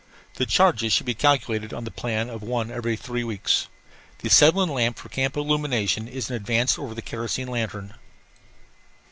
The charges should be calculated on the plan of one for every three weeks. The acetylene lamp for camp illumination is an advance over the kerosene lantern.